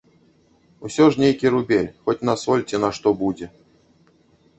Усё ж нейкі рубель, хоць на соль ці на што будзе.